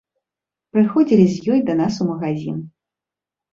Прыходзілі з ёй да нас у магазін.